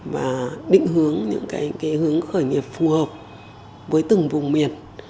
và định hướng những hướng khởi nghiệp phù hợp với từng vùng miền